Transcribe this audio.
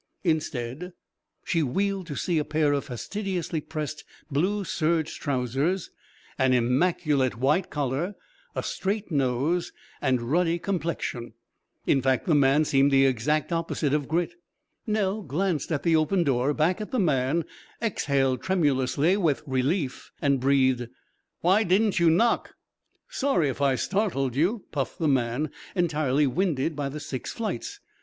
Instead, she wheeled to see a pair of fastidiously pressed blue serge trousers, an immaculate white collar, a straight nose and ruddy complexion. In fact, the man seemed the exact opposite of Grit. Nell glanced at the open door, back at the man, exhaled tremulously with relief, and breathed: "Why didn't you knock?" "Sorry if I startled you," puffed the man, entirely winded by the six flights.